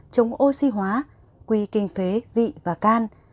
chống oxy hóa quy kinh phế vị và can